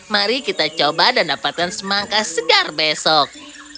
mari kita coba dan dapatkan semangka segar besok